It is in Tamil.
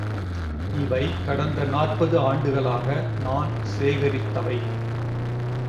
இவை கடந்த நாற்பது ஆண்டுகளாக நான் சேகரித்தவை.